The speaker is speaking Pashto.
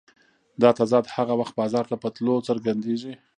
دا تضاد هغه وخت بازار ته په تلو څرګندېږي